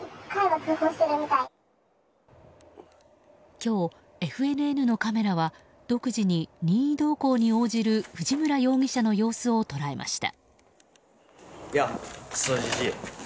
今日、ＦＮＮのカメラは独自に任意同行に応じる藤村容疑者の様子を捉えました。